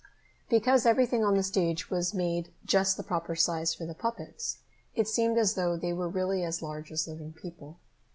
Because everything on the stage was made just the proper size for the puppets, it seemed as though they were really as large as living people.